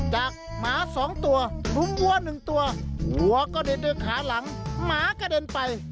จากหมาสองตัวรุมหัวหนึ่งตัวหัวก็เดินด้วยขาหลังหมากระเด็นไป